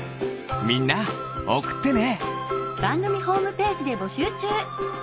みんなおくってね！